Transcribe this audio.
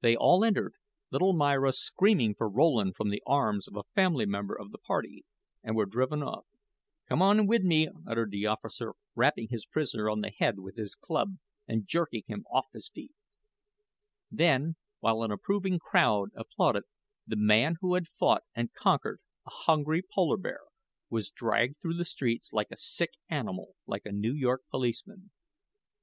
They all entered, little Myra screaming for Rowland from the arms of a female member of the party, and were driven off. "C'm an wi' me," uttered the officer, rapping his prisoner on the head with his club and jerking him off his feet. Then, while an approving crowd applauded, the man who had fought and conquered a hungry polar bear was dragged through the streets like a sick animal by a New York policeman.